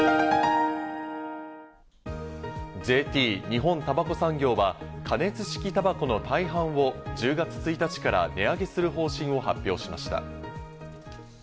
ＪＴ＝日本たばこ産業は加熱式たばこの大半を１０月１日から値上げする方針を発表しました。